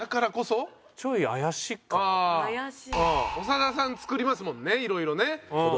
長田さん作りますもんねいろいろね。